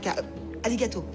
ありがとう。